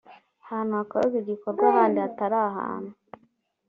hantu hakorerwa igikorwa handi hatari ahantu